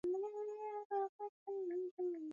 mguu wa kushoto huenda na mkono wa kulia